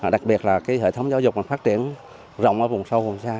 đặc biệt là hệ thống giáo dục phát triển rộng ở vùng sâu vùng xa